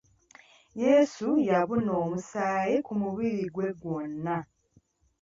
Yesu yabuna omusaayi ku mubiri gwe gwonna.